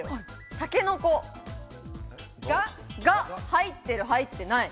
たけのこが入ってる、入ってない？